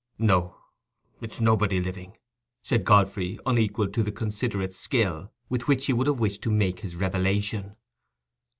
"No, it's nobody living," said Godfrey, unequal to the considerate skill with which he would have wished to make his revelation.